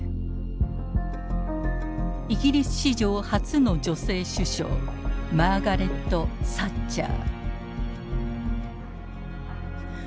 イギリス史上初の女性首相マーガレット・サッチャー。